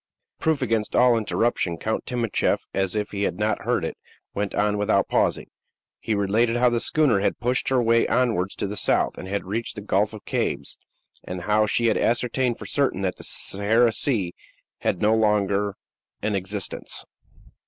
Proof against all interruption, Count Timascheff, as if he had not heard it, went on without pausing. He related how the schooner had pushed her way onwards to the south, and had reached the Gulf of Cabes; and how she had ascertained for certain that the Sahara Sea had no longer an existence.